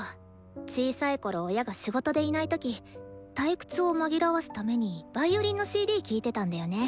小さいころ親が仕事でいない時退屈を紛らわすためにヴァイオリンのＣＤ聴いてたんだよね。